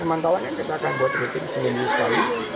pemantauannya kita akan buat lebih lebih seminggu sekali